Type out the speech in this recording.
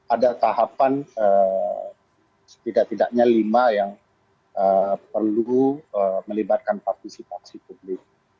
ada tahapan setidak tidaknya lima yang perlu melibatkan partisipasi publik